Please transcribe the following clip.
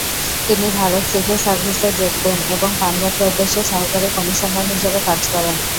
তিনি ভারত সিভিল সার্ভিসে যোগ দেন এবং পাঞ্জাব প্রদেশে সহকারী কমিশনার হিসেবে কাজ করেন।